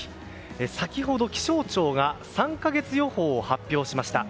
先ほど、気象庁が３か月予報を発表しました。